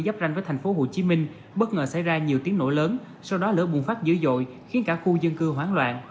giáp ranh với thành phố hồ chí minh bất ngờ xảy ra nhiều tiếng nổi lớn sau đó lỡ bùng phát dữ dội khiến cả khu dân cư hoán loạn